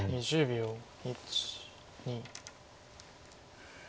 １２。